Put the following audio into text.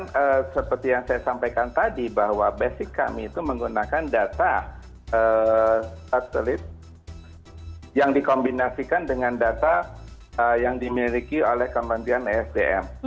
nah seperti yang saya sampaikan tadi bahwa basic kami itu menggunakan data satelit yang dikombinasikan dengan data yang dimiliki oleh kementerian esdm